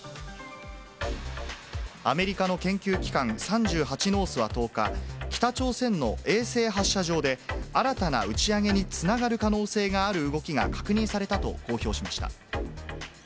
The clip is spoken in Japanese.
アメリカの研究機関、３８ノースは１０日、北朝鮮の衛星発射場で、新たな打ち上げにつながる可能性がある動きが確認されたと公表しました。